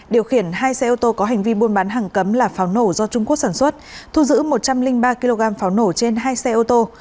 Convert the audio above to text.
điều khiển hai xe ô tô có hành vi buôn bán hàng cấm là pháo nổ do trung quốc sản xuất thu giữ một trăm linh ba kg pháo nổ trên hai xe ô tô